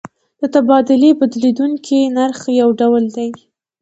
د تبادلې بدلیدونکی نرخ یو ډول دی.